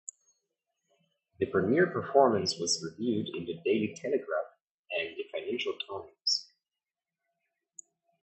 The Premiere performance was reviewed in The Daily Telegraph and The Financial Times.